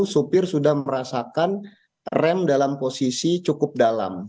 supir sudah merasakan rem dalam posisi cukup dalam